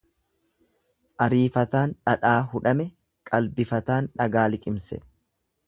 Ariifataan dhadhaa hudhame, qalbifataan dhagaa liqimse.